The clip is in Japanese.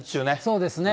そうですね。